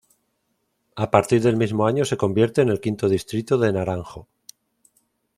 A partir del mismo año se convierte en el quinto distrito de Naranjo.